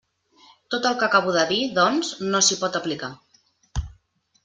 Tot el que acabo de dir, doncs, no s'hi pot aplicar.